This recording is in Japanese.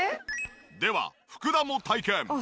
では福田も体験。